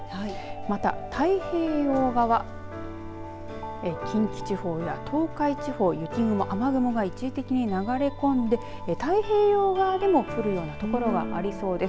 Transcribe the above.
また、太平洋側近畿地方や東海地方雪雲、雨雲が一時的に流れ込んで太平洋側でも降るような所がありそうです。